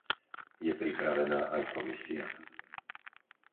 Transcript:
Je pripravená aj Komisia?